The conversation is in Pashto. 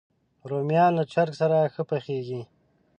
رومیان له چرګ سره ښه پخېږي